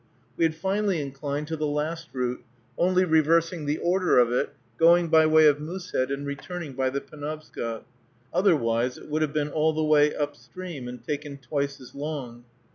We had finally inclined to the last route, only reversing the order of it, going by way of Moosehead, and returning by the Penobscot, otherwise it would have been all the way upstream and taken twice as long.